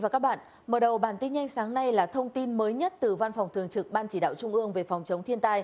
cảm ơn các bạn đã theo dõi